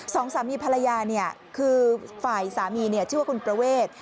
สองสามีภรรยาคือฝ่ายสามีชื่อว่าคุณประเวท